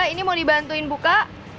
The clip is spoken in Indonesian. ini mau dibantuin buka